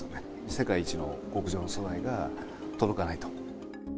世界一の極上の素材が届かないと。